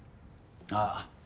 ああ。